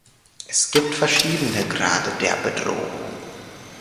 Es gibt verschiedene Grade der Bedrohung.